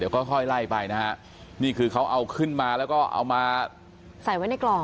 ก็ค่อยไล่ไปนะฮะนี่คือเขาเอาขึ้นมาแล้วก็เอามาใส่ไว้ในกล่อง